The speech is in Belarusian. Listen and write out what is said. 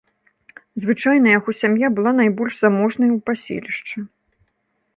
Звычайна яго сям'я была найбольш заможнай у паселішчы.